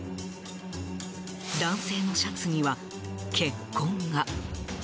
男性のシャツには血痕が。